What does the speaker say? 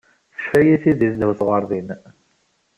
Teccef-iyi tidi ddaw tɣerdin.